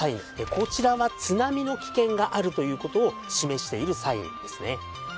こちらは津波の危険があるという事を示しているサインですね。